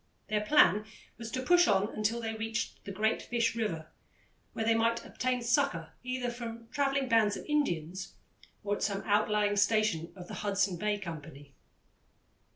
Their plan was to push on until they reached the Great Fish River, where they might obtain succour either from travelling bands of Indians or at some outlying station of the Hudson Bay Company.